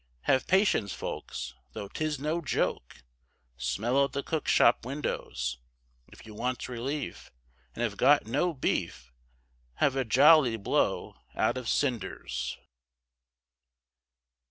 Have patience, folks, though 'tis no joke, Smell at the cook shop windows, If you want relief, and have got no beef, Have a jolly blow out of cinders.